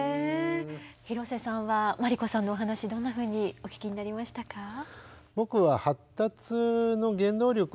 広瀬さんは真理子さんのお話どんなふうにお聞きになりましたか？